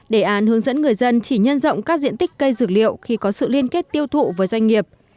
đề án hướng dẫn người dân chỉ nhân rộng các diện tích cây dược liệu khi có sự liên kết tiêu thụ với doanh nghiệp